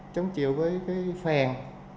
chống chịu với phèn